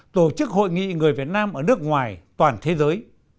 tổ chức hội nghị người việt nam ở nước ngoài toàn thế giới